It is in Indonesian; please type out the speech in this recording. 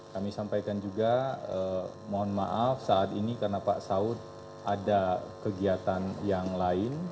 kami sampaikan juga mohon maaf saat ini karena pak saud ada kegiatan yang lain